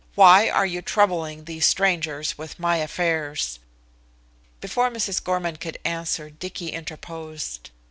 "Why are you troubling these strangers with my affairs?" Before Mrs. Gorman could answer Dicky interposed.